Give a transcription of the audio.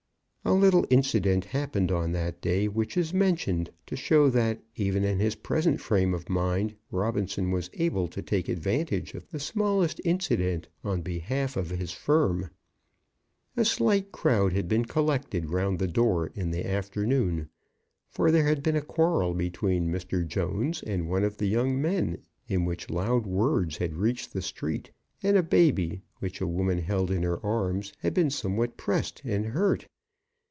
A little incident happened on that day, which is mentioned to show that, even in his present frame of mind, Robinson was able to take advantage of the smallest incident on behalf of his firm. A slight crowd had been collected round the door in the afternoon, for there had been a quarrel between Mr. Jones and one of the young men, in which loud words had reached the street, and a baby, which a woman held in her arms, had been somewhat pressed and hurt.